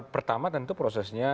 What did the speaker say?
pertama tentu prosesnya